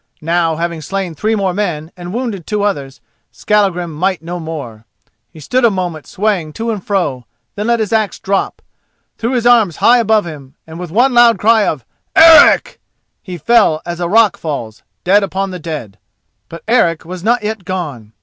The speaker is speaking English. Now, having slain three more men, and wounded two others, Skallagrim might no more. He stood a moment swaying to and fro, then let his axe drop, threw his arms high above him, and with one loud cry of "Eric!" fell as a rock falls—dead upon the dead. But Eric was not yet gone.